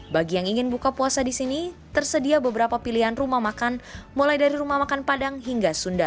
bagi yang ingin buka puasa di sini tersedia beberapa pilihan rumah makan mulai dari rumah makan padang hingga sunda